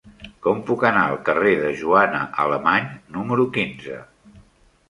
Com puc anar al carrer de Joana Alemany número quinze?